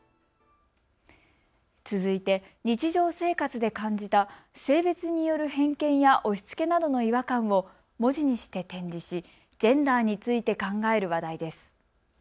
続いて日常生活で感じた性別による偏見や押しつけなどの違和感を文字にして展示しジェンダーについて考える話題です。